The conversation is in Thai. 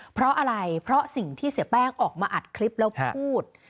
เพราะอะไรเพราะสิ่งที่เสียแป้งออกมาอัดคลิปแล้วพูด